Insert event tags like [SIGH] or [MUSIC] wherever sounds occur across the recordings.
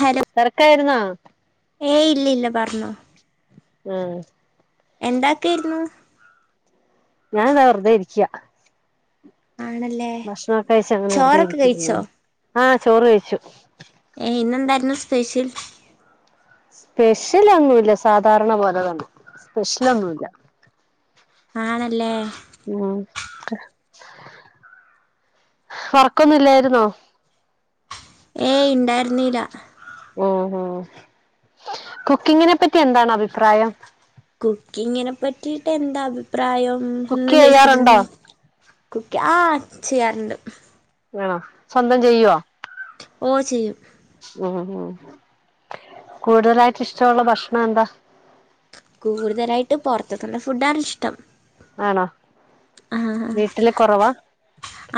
hello തെരക്കായിരുന്നോ ഏയ് ഇല്ല ഇല്ല പറഞ്ഞോ ആഹ് എന്ത്‌ ആക്കുക്കായിരുന്നു ഞാൻ ദാ വെറുതെ ഇരിക്കുവാ ആണല്ലേ ഭക്ഷണംക്കെ കഴിച്ച അങ്ങനെ വെറുതെ ചോറൊക്കെ ഇരിക്കുന്നു കഴിച്ചോ ആഹ് ചോറ് കഴിച്ചു ഏയ് ഇന്ന് എന്തായിരുന്നു സ്പെഷ്യൽ സ്പെഷ്യലൊന്നുയില്ല സാധാരണ പോലെതന്നെ സ്പെഷ്യലൊന്നുമില്ല ആണല്ലേ ഉം ഒറക്കൊന്നും ഇല്ലായിരുന്നോ ഏയ് ഇണ്ടായിരുന്നില്ല ഓഹോ കുക്കിങ്ങിനെ പറ്റി എന്താണ് അഭിപ്രായം കുക്കിങ്ങിനെ പറ്റിട്ട് എന്താ അഭിപ്രായം കുക്ക് എന്ന് ചെയ്യാറുണ്ടോ ചോച്ചിട്ടിണ്ടെങ്കി- കുക്കി ആ ചെയ്യാറുണ്ട് ആണോ സ്വന്തം ചെയ്യുവോ ഓ ചെയ്യും ഉം ഉം കൂടുതലായിട്ട് ഇഷ്ടമുള്ള ഭക്ഷണം എന്താ കൂടുതലായിട്ട് പൊറത്തക്കത്തെ ഫുഡ് ആണ് ഇഷ്ട്ടം ആണോ വീട്ടില് കൊറവാ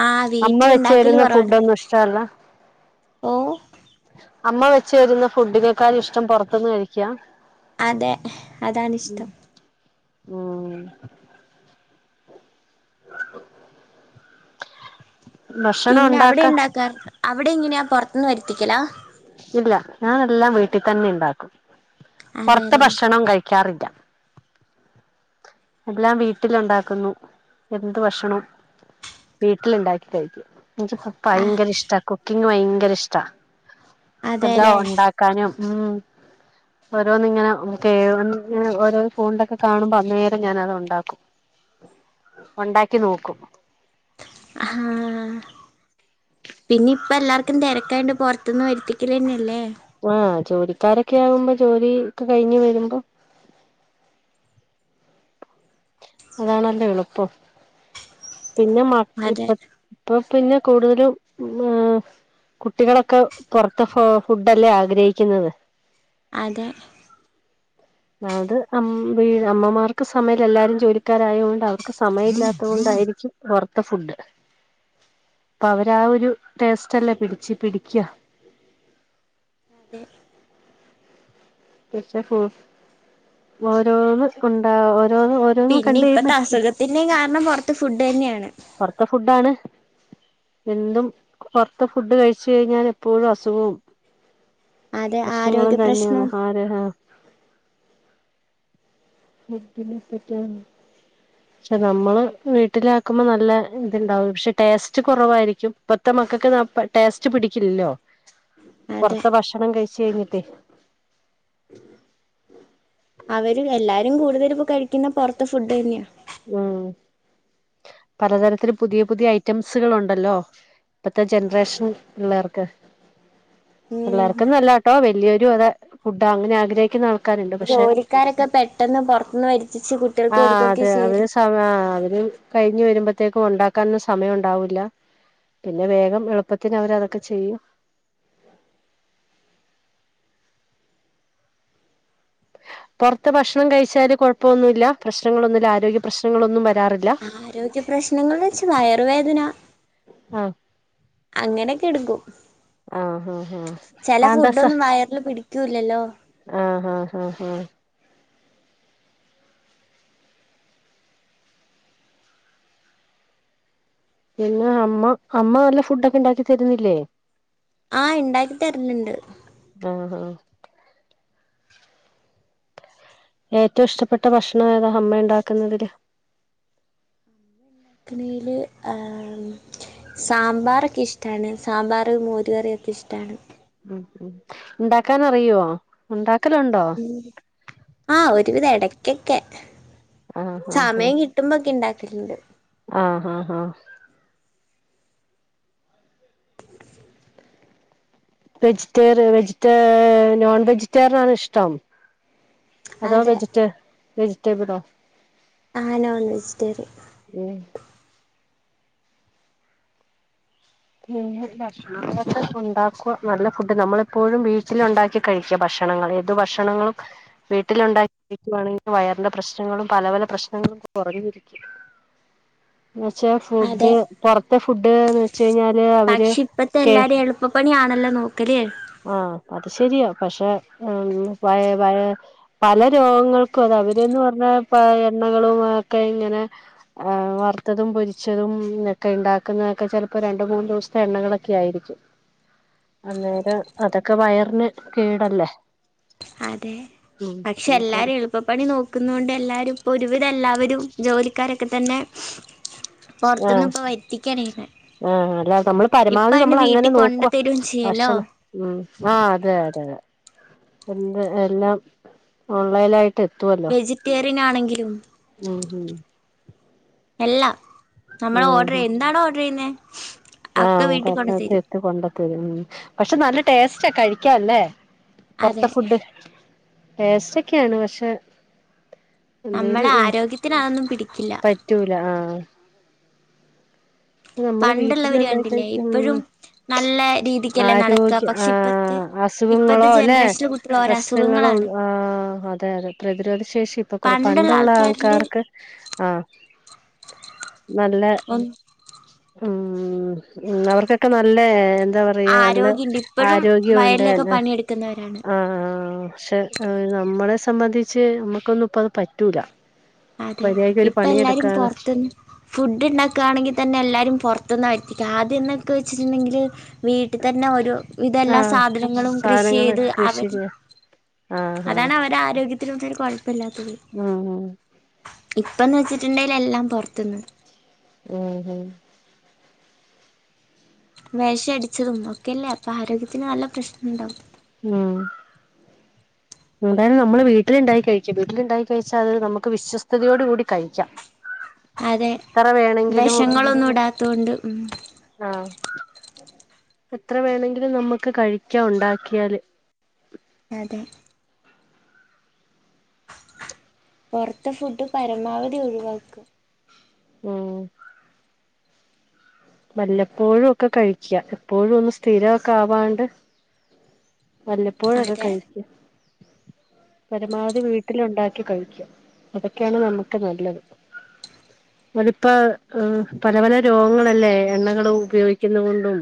ആ അമ്മ വെച്ചു വീട്ടിലുണ്ടാക്കല് തരുന്ന ഫുഡ് ഒന്നും ഇഷ്ടല്ല ഔ അമ്മ വെച്ച് തരുന്ന ഫുഡിനെകാളും ഇഷ്ട്ടം പൊറത്തുന്ന് കഴിക്കാ അതെ അതാണിഷ്ട്ടം ഉം ഭക്ഷണം പിന്നെ അവിടെ ഉണ്ടാക്ക ഉണ്ടാക്കാർ അവിടെ ഇങ്ങനെയാ പൊറത്ത്ന്ന് വരുത്തിക്കല ഇല്ല ഞാൻ എല്ലാം വീട്ടിൽ തന്നെ ഇണ്ടാക്കും പൊറത്ത അതെല്ലേ ഭക്ഷണം കഴിക്കാറില്ല എല്ലാം വീട്ടില് ഒണ്ടാക്കുന്നു എന്ത് ഭക്ഷണം വീട്ടിൽ ഇണ്ടാക്കി കഴിക്കും ആ ഭയങ്കര ഇഷ്ട്ടാ കുക്കിങ് ഭയങ്കര ഇഷ്ട്ടാ മറ്റേ അതെല്ലേ ഒണ്ടാക്കാനും ഉം ഓരോന്ന് ഇങ്ങനെ [UNINTELLIGIBLE] ക്ക ഓരോ ഫോണിലൊക്കെ കാണുമ്പോ ഞാനത് ഒണ്ടാക്കും ഒണ്ടാക്കി നോക്കും ആഹ് [UNINTELLIGIBLE] പിന്നെ ഇപ്പ എല്ലാർക്കും തെരക്കായൊണ്ട് പൊറത്തിന്ന് വരുത്തിക്കല് തന്നെയല്ലേ ആഹാ ജോലിക്കാരൊക്കെ ആകുമ്പോ ജോലി ഒക്കെ കഴിഞ്ഞ് വരുമ്പം - അതാണല്ലോ എളുപ്പം പിന്നെ മ അതെ ഇപ്പൊ ഇപ്പൊ പിന്നെ കൂടുതലും [UNINTELLIGIBLE] കുട്ടികളൊക്കെ പൊറത്ത് ഫ ഫുഡല്ലേ ആഗ്രഹിക്കുന്നത് അതെ അത് അമ്മമാർക്ക് സമയം എല്ലാരും ജോലിക്കാരായൊണ്ട് അവർക്ക് സമയം ഇല്ലാത്ത കൊണ്ടായിരിക്കും പൊറത്തെ ഫുഡ് അപ്പൊ അവര് ആ ഒരു ടേസ്റ്റ് അല്ലേ പിടിച്ച് പിടിക്കുക അതെ [UNINTELLIGIBLE] തീർച്ചയ [UNINTELLIGIBLE] ഓരോന്ന് ഉണ്ട ഓരോന്ന് ഓരോന്നും കണ്ട് കഴിയുമ്പോൾ- ഇതിൻ്റെ കാരണം പുറത്ത് ഫുഡന്നെയാണ് പുറത്ത ഫുഡ്ഡ് ആണ് എന്നും പൊറത്ത് ഫുഡ് കഴിച്ചഴിഞ്ഞാൽ എപ്പോഴും അസുഖവും അതെ പ്രശ്നങ്ങളും ആരോഗ്യ തന്നെയാണ് പ്രശ്നം ആരഹ ഫുഡ്ഡനെ പറ്റിയാണ് പക്ഷെ നമ്മള് വീട്ടില് ആക്കുമ്പോൾ നല്ല ഇത്ണ്ടാവും പക്ഷെ ടേസ്റ്റ് കുറവായിരിക്കും ഇപ്പത്തെ മക്കൾക്ക് ടേസ്റ്റ് പിടിക്കില്ലല്ലോ അതെ പുറത്ത ഭക്ഷണം കഴിച്ച് കഴിഞ്ഞിട്ട് അവര് എല്ലാരും കൂടുതല് ഇപ്പോ കഴിക്കുന്ന പുറത്തെ ഫുഡ് തന്നെയാ ഉം പലതരത്തില് പുതിയ പുതിയ ഐറ്റംസുകള് ഉണ്ടല്ലോ ഇപ്പത്തെ ജനറേഷൻ പിള്ളേർക്ക് ഉം പിള്ളേർക്കന്നല്ലാട്ടോ വല്യൊരു അതെ ഫുഡ് അങ്ങനെ ആഗ്രഹിക്കുന്ന ആൾ ജോലിക്കാരൊക്കെ പെട്ടന്ന് പുറത്തുന്ന് വരത്തിച്ച് കുട്ട്യൾക്ക് കൊടുക്കക്കെ ചെയ്യല് സമാ അവര് കഴിഞ്ഞ് വരുമ്പത്തേക്കും ഉണ്ടാക്കാനൊന്നും സമയം ഉണ്ടാവില്ല പിന്നെ വേഗം എളുപ്പത്തിന് അവര് അതൊക്കെ ചെയ്യും പൊർത്ത് ഭക്ഷണം കഴിച്ചാല് കുഴപ്പന്നുല്ല പ്രശ്നങ്ങളൊന്നുല്ല ആരോഗ്യ പ്രശ്നങ്ങളൊന്നും വരാറില്ല ആരോഗ്യ പ്രശ്നങ്ങൾ വെച്ച് വയറുവേദന ആഹ് അങ്ങനെയൊക്കെ എടുക്കും ആഹ് ആഹ് ആഹ് ചില അതെന്താ സ ഫുഡൊന്നും വയറില് പിടിക്കൂല്ലല്ലോ ആഹ് ആഹ് ആഹ് ഹ പിന്നെ അമ്മ അമ്മ നല്ല ഫുഡ് ഒക്കെ ഉണ്ടാക്കി തരുന്നില്ലേ ആഹ് ഇണ്ടാക്കി തര്ന്ണ്ട് ആഹ് ആഹ് ഏറ്റവും ഇഷ്ടപ്പെട്ട ഭക്ഷണം ഏതാ അമ്മ ഉണ്ടാക്കുന്നതില് ക്കനയില് ഏഹ് സാമ്പാറൊക്കെ ഇഷ്ടാണ് സാമ്പാറ് മോരുകറിയൊക്കെ ഇഷ്ടാണ് ഉം ഉ ഉണ്ടാക്കാനറിയോ ഉണ്ടാക്കലുണ്ടോ ആഹ് ഒരുവിധ ഇടക്കൊക്കെ ആഹ് ആഹ് ആഹ് സമയം കിട്ടുമ്പക്കെ ഇണ്ടാക്കലണ്ട് ആഹ് ആഹ് ആഹ് വെജിറ്റേറിയ വെജിറ്റ നോൺ വെജിറ്റേറിയനാണ് ഇഷ്ടം അതോ അതെ വെജി റ്റെ വജിറ്റബ്ളോ ആഹ് നോൺ വെജിറ്റേറി ഉം എന്നും ഭക്ഷണ ദിവസം ഉണ്ടാക്കുക നല്ല ഫുഡ് നമ്മളിപ്പോഴും വീട്ടിൽ ഉണ്ടാക്കി കഴിക്ക ഭക്ഷണങ്ങള് ഏതു ഭക്ഷണങ്ങളും വീട്ടിലുണ്ടാക്കിരിക്കുവാണെങ്കിൽ വയറിന്റെ പ്രശ്നങ്ങളും പല പല പ്രശ്നങ്ങളും കുറഞ്ഞിരിക്കും എന്നുവെച്ചാ ഫുഡ് അതെ പൊറത്തെ ഫുഡ്ഡ്ന്ന് ച്ച് കഴിഞ്ഞാല് അവര് കേ ഇപ്പപണിയാണല്ലോ നോക്കല് ആഹ് അത് ശരിയാ പക്ഷെ ഉം പയേ പയേ പല രോഗങ്ങൾക്കും അത അവര്ന്ന് പറഞ്ഞാ പ എണ്ണകളും ഒക്കെ ഇങ്ങനെ വറുത്തതും പൊരിച്ചതുംക്കെ ഉണ്ടാക്കുന്നതൊക്കെ ചിലപ്പോ രണ്ട മൂന്ന് ദിവസത്തെ എണ്ണകളൊക്കെ ആയിരിക്കും അന്നേരം അതൊക്കെ വയറിന് കേടല്ലേ അതെ ഉം പക്ഷെ ഇനിപ്പം എല്ലാരും എളുപ്പപ്പണി നോക്കുന്നോണ്ട് എല്ലാരും ഇപ്പൊരുവിധ എല്ലാവരും ജോലിക്കാരൊക്കെ തന്നെ ആഹ് പൊർത്തിന്നിപ്പൊ വര്ത്തിക്കണയ്യ്ണെ ആഹ് അല്ലാതെ നമ്മള് പരമാവധി നമ്മൾ അങ്ങനെ കൊണ്ട നോക്കുവ തരും ചെയ്യല്ലോ ഭക്ഷണം ഉം ആഹ് അതെ അതെ അതെ എന്ത് എല്ലാം ഓൺലൈന ആയിട്ട് വെജിറ്റേറിയൻ ആണെങ്കിലും ഉം എല്ലാം നമ്മള് ഓർഡർ ഉം എന്താണ് ഓർഡർ ചെയ്യുന്നത് ആഹ് അത്പ്പ എത്തിക്കണ്ട പക്ഷെ നല്ല ടേസ്റ്റാ കഴിക്കല്ലേ അതെ പുറത്തെ ഫുഡ് പേസ്റ്റ് ഒക്കെയാണ് പക്ഷെ നമ്മളെ ആരോഗ്യത്തിന് അതൊന്നും പിടിക്കില്ല റ്റൂല ആഹ് റ്റൂ നമ്മളെ വീട്ടില പണ്ടുള്ളവര് ഇണ്ടായി കണ്ടില്ലേ കഴിക്കും ഇപ്പോഴും നല്ല രീതിക്കല്ലേ നടക്കുക ആരോഗ്യ പക്ഷെ ഇപ്പത്തെ ആഹ് ഇപ്പത്തെ അസുഖങ്ങളോ അല്ലെ ജനറേഷനിൽ കുട്ടികൾ ഓരോ പ്രശ്നങ്ങളും അസുഖങ്ങളാണ് ആഹ് അതെ അതെ പ്രതിരോധ ശേഷി ഇപ്പൊ കുറ പണ്ടുള്ള ആൾക്കാർക്ക് ആഹ് നല്ല അഹ് ഉം ഉംഅവർക്കൊക്കെ നല്ല എന്താ പറയാ നല്ല ആരോഗ്യണ്ട് ഇപ്പോഴും ആരോഗ്യംണ്ട് വയലിലൊക്കെ എന്നാ പണിയെടുക്കുന്നവരാണ് ആഹ് ആഹ് പക്ഷെ നമ്മളെ സംബന്ധിച്ച് നമ്മുക്കൊന്നും ഇപ്പ അത് പറ്റൂല അതെ മര്യാദക്ക് ഒരു ഇപ്പ എല്ലാരും പണിയെടുക്കാന് പുറത്തന്ന് ഫുഡ് ഉണ്ടാക്കുകയാണെങ്കിൽ തന്നെ എല്ലാവാരും പുറത്തുന്ന് വരുത്തി ക്കുക ആദ്യം എന്നൊക്കെ വെച്ചിട്ടുണ്ടെങ്കിൽ വീട്ടിൽ തന്നെ ഒരു ആ ഇതെല്ലാ സാധനങ്ങളും കൃഷി സാധനങ്ങള് ചെയ്ത് കൃഷി അവർ ചെയ്യാ ആ ആ അതാണ് അവര് ആരോഗ്യത്തിനന്നരു കുഴപ്പമില്ലാത്തത് ഉം ഇപ്പംന്ന് വെച്ചിട്ടുണ്ടെങ്കൽ എല്ലാം പുറത്തുനിന്ന് ഉം വേഷടിച്ചതും ഒക്കല്ലേ അപ്പാ രോഗ്യത്തിന് നല്ല പ്രശ്നണ്ടാവും ഉം എന്താലും നമ്മള് വീട്ടിലുണ്ടായി കഴിക്കും വീട്ടിൽണ്ടായി കഴിച്ചാൽ അത് നമുക്ക് വിശ്വസ്തയോട് കൂടി കഴിക്കാം അതെ എത്ര വേണെങ്കിലും വെഷങ്ങളൊന്നും ഇടാതോണ്ട് ഉം ആഹ് എത്ര വേണങ്കിലും നമക്ക് കഴിക്കാ ഉണ്ടാക്ക്യാല് അതെ പൊറത്തെ ഫുഡ്ഡ് പരമാവധി ഒഴിവാക്ക ഉം വല്ലപ്പോഴും ഒക്കെ കഴിക്ക്യാ എപ്പോഴും ഒന്ന് സ്ഥിരൊക്കെ ആവാണ്ട് വല്ലപ്പോഴൊക്കെ അതെ കഴിക്ക്യാ പരമാവധി വീട്ടിലൊണ്ടാക്കി കഴിക്ക്യാ അതൊക്കാണ് നമുക്ക് നല്ലത് അതിപ്പ പല പല രോഗങ്ങളല്ലേ എണ്ണകള് ഉപയോഗിക്കുന്ന കൊണ്ടും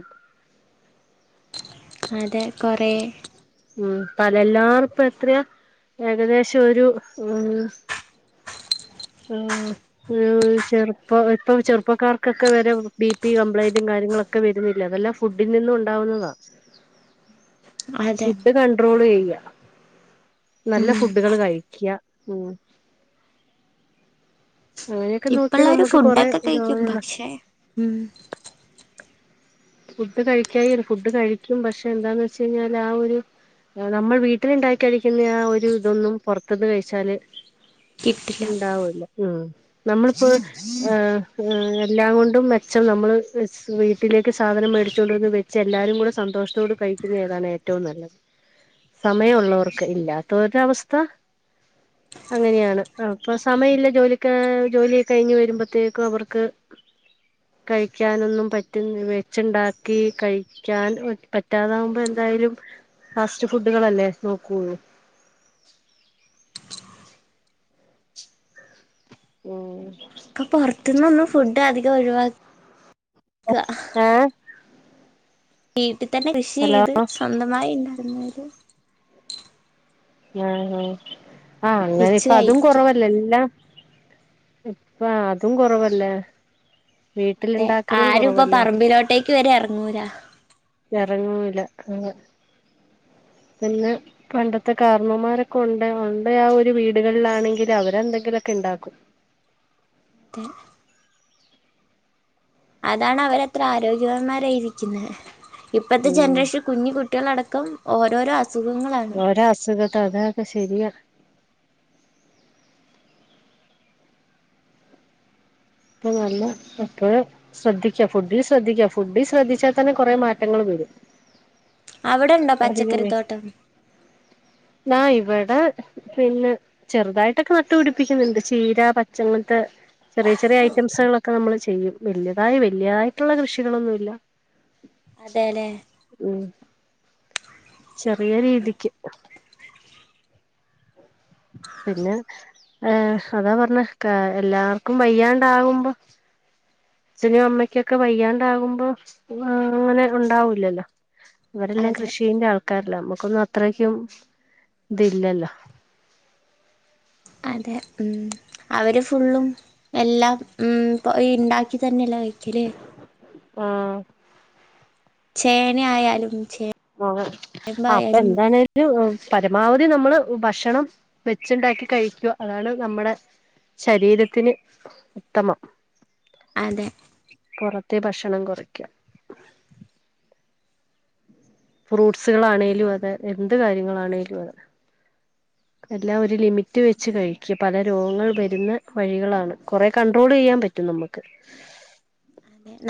അതെ കൊറേ ഉം പ്പ ലെല്ലാർക്കും എത്രയാ ഏകദേശം ഒരു ഉം ഉം ഉം ചെർപ്പ ഇപ്പൊ ചെർപ്പക്കാർക്കൊക്കെ വരെ ബി പി കംപ്ലൈന്റും കാര്യങ്ങളൊക്കെ ഒക്കെ വെരുന്നില്ലേ അതെല്ലാം ഫുഡ്‌ഡി നിന്നും ഉണ്ടാവുന്നതാ അതെ ഫുഡ്ഡ് കണ്ട്രോള് ചെയ്യാ നല്ല ഉം ഫുഡ്ഡ്കള് കഴിക്ക്യാ ഉം അങ്ങനെയൊക്കെ നോക്കിയാ ഇപ്പള്ളാര് നമുക്ക് കൊറെ ഫുഡൊക്കെ കൈക്കും രോഗങ്ങള പക്ഷെ ഉം ഫുഡ് കഴിക്കായി ഫുഡ് കഴിക്കും പക്ഷെ എന്താന്ന് വെച്ച് കഴിഞ്ഞാല് ഒരു എഹ് നമ്മൾ വീട്ടില്ഇണ്ടാക്കി കഴിക്ക്ന്ന ആ ഒരു ഇതൊന്നും പൊർത്ത്ന്ന് കഴിച്ചാല് കിട്ടില്ല ഇണ്ടാവൂല്ല ഉം നമ്മ്ള് പ്പോ ആഹ് ഹഎഹ് എല്ലാം കൊണ്ടും മെച്ചം നമ്മള് വീട്ടിലേ ക്ക് സാധനം മേടിച്ചുകൊണ്ടുവന്ന് വെച്ച് എല്ലാരും കൂടെ സന്തോഷത്തോട് കഴിക്കുന്ന ഇതാണ് ഏറ്റവും നല്ലത് സമയം ഉള്ളവർക്ക് ഇല്ലാത്തോര്ടെ അവസ്ഥ അങ്ങനെയാണ് അഹ് അപ്പ സമയഇല്ല ജോലിക്ക് ജോലി കഴിഞ്ഞ് വരുമ്പത്തേക്കും അവർക്ക് കഴിക്ക്യാനൊന്നും പറ്റുന്ന് വെ ച്ച് ഇണ്ടാക്കി കഴിക്കാൻ പറ്റാതാവുമ്പൊ എന്തായാലും ഫാസ്റ്റ് ഫുഡ്ഡ് കളല്ലേ നോക്കൂള്ളു ഉം ഇപ്പൊ പൊർത്ത്ന്നൊന്നും ഫുഡ്ഡ് അധികം ഒഴിവാക്ക ഏഹ് വീട്ടിൽ തന്നെ കൃഷി ഹലോ ചെയ്ത് സ്വന്തമായി ഇണ്ടാക്കുന്നവര് ആഹ് ആഹ് ആഹ് അങ്ങനെ വെച്ച് ഇപ്പ അതും കഴിക്ക കൊറവല്ലേ എല്ലാം ഇപ്പ അതും കൊറവല്ലേ അതെ വീട്ടിലുണ്ടാക്കലും ആരും ഇപ്പ കൊറവല്ലേ പറമ്പിലോട്ടേക്ക് വെരെ എറങ്ങൂലാ എറങ്ങൂല അങ്ങ് പിന്നെ പണ്ടത്തെ കാർണ്ണോമാരൊക്കെ ഒണ്ടേ ഒണ്ടേ ആ ഒര് വീടുകളിലാണെങ്കിൽ അവരെ എന്തെങ്കിലൊക്കെ ഇണ്ടാക്കും അതെ അതാണ് അവരത്ര ആരോഗ്യവാന്മാരായിരിക്ക്ന്നേ ഇപ്പത്തെ ഉം ജനറേഷൻ കുഞ്ഞു കുട്ട്യാളടക്കം ഓരോരോ അ സുഖങ്ങളാ ഓരോ അസുഖക്കെ അതൊക്കെ ശെരിയാ പ്പ നല്ലം എപ്പഴും ശ്രദ്ധിക്ക ഫുഡിൽ ശ്രദ്ധിക്ക ഫുഡിൽ ശ്രദ്ധിച്ചാ തന്നെ കൊറേ മാറ്റങ്ങള് വെരും അവടെ ഇണ്ടോ പച്ചക്കറി വരും ത്തോട്ടം ന്നാ ഇവടെ പിന്നെ ചെറ്തായിട്ടൊക്കെ നട്ട് പിടിപ്പിക്ക്ന്ന്ണ്ട് ചീര, പച്ചങ്ങൻത്തെ ചെറിയ ചെറിയ ഐ റ്റംസുകളൊക്കെ നമ്മള് ചെയ്യും വെല്ല്യെതായി വെല്ല്യായിട്ട്ള്ള കൃഷികളൊന്നുഇല്ല അതേലെ ഉം ചെറിയ രീതിക്ക് പിന്നെ ഏഹ് അതാ പർഞ്ഞ് കാ എല്ലാർക്കും വയ്യാണ്ടാവുമ്പൊ അച്ഛനും അമ്മയ്ക്കൊക്കെ വയ്യാണ്ടാകുമ്പൊ [UNINTELLIGIBLE] അങ്ങനെ ഉണ്ടാവൂല്ലല്ലോ അവരെല്ലാം അതെ കൃഷീൻറ്റെ ആൾക്കാരെല്ലാ നമ്മുക്കൊന്നും അത്രക്കും ഇതിലല്ലോ അതെ ഉം അവര് ഫുള്ളും എല്ലാം ഉം പ്പൊ ഈ ഇണ്ടാക്കി തന്നെല്ലെ കഴിക്കല് ആഹ് ചേനെ ആയാലും ചേ ആഹ് അതെ അപ്പൊ എന്താണ് ട്ട് ഇഹ് പരമാവധി നമ്മള് ഭക്ഷണം വെച്ച്ണ്ടാക്കി കഴിക്ക്വാ അതാണ് നമ്മടെ ശരീരത്തിന് ഉത്തമം അതെ പൊറത്തെ ഭക്ഷണം കൊറയ്ക്കാ ഫ്രൂട്ട്സുകളാണേലു അതെ എന്ത് കാര്യങ്ങളാണേലും അതെ എല്ലാം ഒരു ലിമിറ്റ് വെച്ച് കഴിക്ക പല രോഗങ്ങൾ വരുന്ന വഴികളാണ് കൊറേ കൺട്രോളെയ്യാൻ പറ്റും നമുക്ക്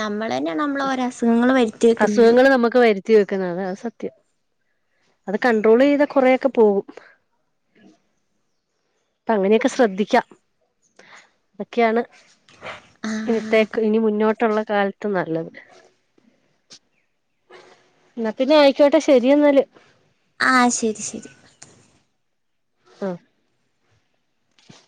നമ്മളന്നെയ നമ്മളെ ഓരോ അസുഖങ്ങള് വരുത്തി വെക്കുന്നത് അസുഖങ്ങൾ നമുക്ക് വരു ത്തി വെക്കുന്നത് അതാണ് സത്യം അത് കണ്ട്രോളെയ്താ കൊറേ ഒക്കെ പോകും അപ്പ അങ്ങനെയൊക്കെ ശ്രദ്ധിക്കാ അതൊക്കെയാണ് ആ അതെ ഇന്നത്തേക്ക് ഇനി മുന്നോട്ടുള്ള കാലത്ത് നല്ലത് ന്നാ പിന്നെ അയിക്കോട്ടെ ശരിയെന്നാല് ആ ശരി ശരി ആഹ്